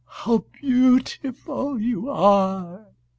How beautiful you are!"